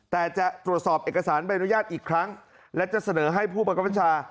แต่จะตรวจสอบเอกสารใบอนุญาตอีกครั้งและจะเสนอให้ผู้บังคับบัญชา